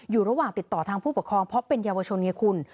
อยู่ระหว่างติดต่อทางผู้ปกครองเพราะเป็นเยาวชนไงคุณ